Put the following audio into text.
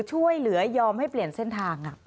ช่วยเหลือยอมให้เปลี่ยนเส้นทาง